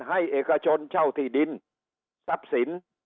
ให้เอกชนเช่าที่ดินทรับสิน